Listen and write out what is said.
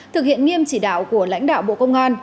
thực hiện nghiêm chỉ đạo của lãnh đạo bộ công an